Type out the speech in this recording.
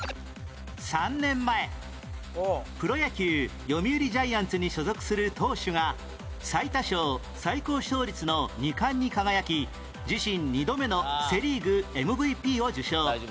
３年前プロ野球読売ジャイアンツに所属する投手が最多勝・最高勝率の２冠に輝き自身２度目のセ・リーグ ＭＶＰ を受賞